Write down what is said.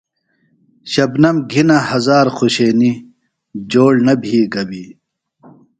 شبنمؔ گھِنہ ہزار خوشینیۡ جوڑ نہ بھی گبیۡ۔